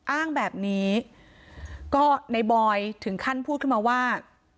อ้างแบบนี้ก็ในบอยถึงขั้นพูดขึ้นมาว่า